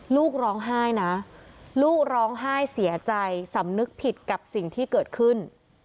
ลูกร้องไห้นะลูกร้องไห้เสียใจสำนึกผิดกับสิ่งที่เกิดขึ้น